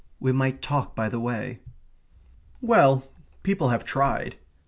we might talk by the way. Well, people have tried.